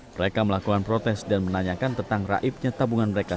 mereka melakukan protes dan menanyakan tentang raibnya tabungan mereka